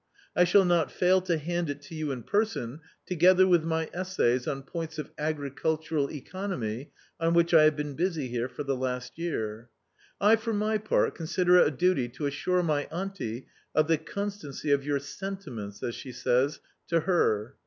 I shall not fail to hand it to you in person together with my essays on points of agricultural economy on which I have been busy here for the last year. I for my part consider it a duty to assure my auntie of the constancy of 'your sentiments,' as she says, to her.